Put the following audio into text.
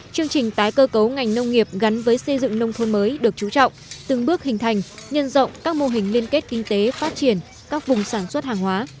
chương trình tái cơ cấu ngành nông nghiệp gắn với xây dựng nông thôn mới được trú trọng từng bước hình thành nhân rộng các mô hình liên kết kinh tế phát triển các vùng sản xuất hàng hóa